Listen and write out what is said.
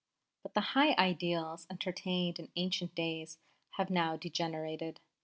But the high ideals entertained in ancient days have now degenerated. .